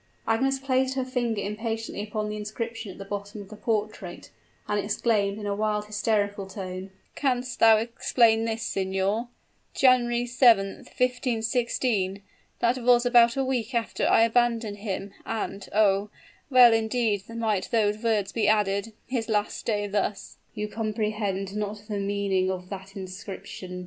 Agnes placed her finger impatiently upon the inscription at the bottom of the portrait, and exclaimed in a wild, hysterical tone, "Canst thou explain this, signor? 'January 7th, 1516,' that was about a week after I abandoned him; and, oh! well indeed might those words be added 'His last day thus!'" "You comprehend not the meaning of that inscription!"